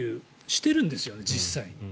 しているんですよね、実際に。